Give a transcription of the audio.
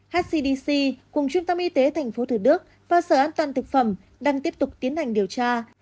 hcdc cùng trung tâm y tế tp thủ đức và sở an toàn thực phẩm đang tiếp tục tiến hành điều tra